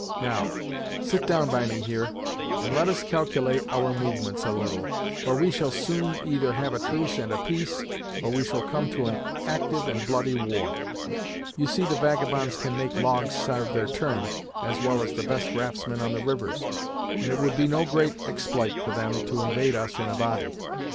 Now, sit down by me here, and let us calculate our movements a little, for we shall soon either have a truce and a peace, or we shall come to an actyve and bloody war. You see the vagabonds can make logs sarve their turn, as well as the best raftsmen on the rivers, and it would be no great expl'ite for them to invade us in a body.